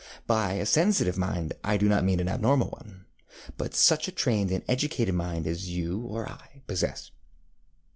By a sensitive mind I do not mean an abnormal one, but such a trained and educated mind as you or I possess.